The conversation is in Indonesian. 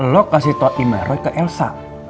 lo kasih tau email roy ke elsa